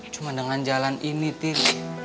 cuma dengan jalan ini ti